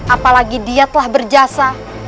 apalagi dia telah berjasa